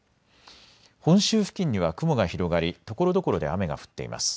本州付近には雲が広がりところどころで雨が降っています。